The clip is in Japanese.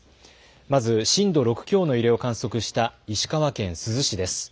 まず震度６強の揺れを観測した石川県珠洲市です。